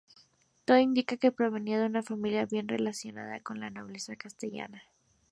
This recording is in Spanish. Todo indica que provenía de una familia bien relacionada con la nobleza castellana.